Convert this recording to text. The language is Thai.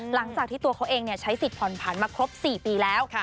หลังจากที่ตัวเขาเองใช้สิทธิผ่อนผันมาครบ๔ปีแล้ว